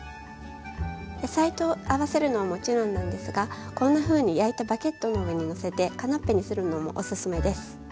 野菜と合わせるのはもちろんなんですがこんなふうに焼いたバゲットの上にのせてカナッペにするのもおすすめです。